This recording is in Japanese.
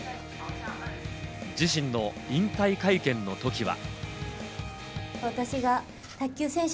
自身の引退会見のときは。